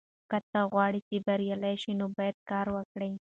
که ته غواړې چې بریالی شې نو باید کار وکړې.